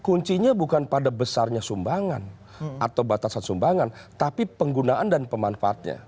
kuncinya bukan pada besarnya sumbangan atau batasan sumbangan tapi penggunaan dan pemanfaatnya